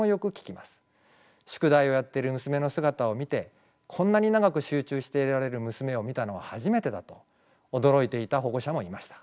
宿題をやっている娘の姿を見て「こんなに長く集中していられる娘を見たのは初めてだ」と驚いていた保護者もいました。